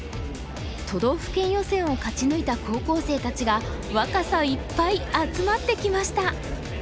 都道府県予選を勝ち抜いた高校生たちが若さいっぱい集まってきました。